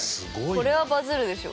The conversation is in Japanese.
これはバズるでしょ。